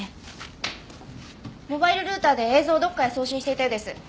モバイルルーターで映像をどこかへ送信していたようです。